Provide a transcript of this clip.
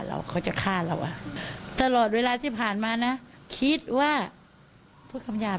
เขาจะฆ่าเราอ่ะตลอดเวลาที่ผ่านมานะคิดว่าพูดคำหยาบ